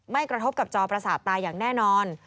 กระทบกับจอประสาทตาอย่างแน่นอน